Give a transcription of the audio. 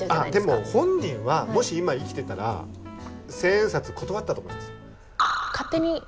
でも本人はもし今生きてたら千円札断ったと思います。